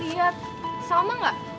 liat salmah gak